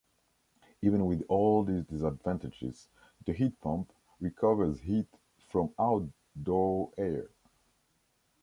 Even with all these disadvantages, the heat pump recovers heat from outdoor air.